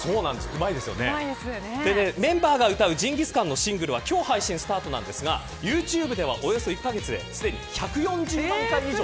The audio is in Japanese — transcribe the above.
メンバーが歌うジンギスカンのシングルは今日配信スタートですがユーチューブではおよそ１カ月ですでに１４０万回以上